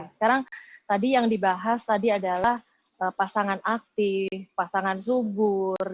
sekarang tadi yang dibahas tadi adalah pasangan aktif pasangan subur